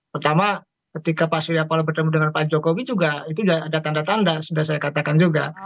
pertama ketika pak surya paloh bertemu dengan pak jokowi juga itu sudah ada tanda tanda sudah saya katakan juga